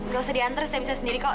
gak usah dianter saya bisa sendiri kok